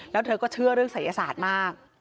แล้วเธอก็เชื่อเรื่องศัยศาสตร์มาก